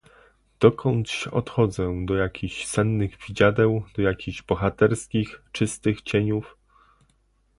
"Dokądś odchodzę, do jakichś sennych widziadeł, do jakichś bohaterskich, czystych cieniów."